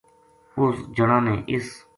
اُس جنا نے اِس